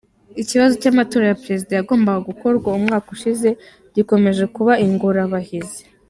Ikibazo cy’amatora ya Perezida yagombaga gukorwa umwaka ushize gikomeje kuba ingorabahizi.